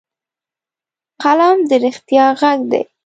قلم د رښتیا غږ دی